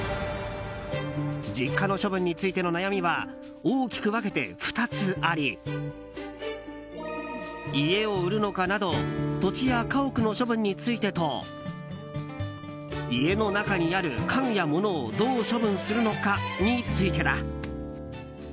実家の処分についての悩みは大きく分けて、２つあり家を売るのかなど土地や家屋の処分についてと家の中にある家具や物をどう処分するのかについてだ。